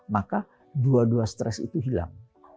maka dua dua stres itu hilang